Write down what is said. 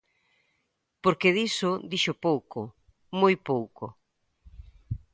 Porque diso dixo pouco, moi pouco.